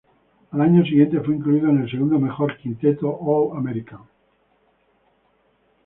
Al año siguiente fue incluido en el segundo mejor quinteto All-American.